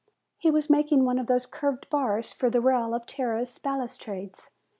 He was making one of those curved bars for the rail of terrace balustrades.